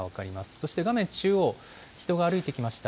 そして画面中央、人が歩いてきました。